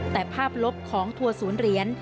แต่ภาพลบของทัวร์ศูนย์เหรียญ